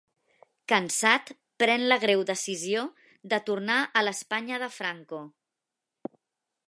Cansat, pren la greu decisió de tornar a l'Espanya de Franco.